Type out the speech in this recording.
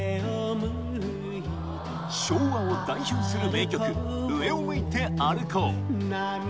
昭和を代表する名曲『上を向いて歩こう』